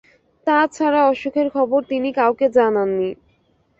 তা ছাড়া অসুখের খবর তিনি কাউকে জানান নি।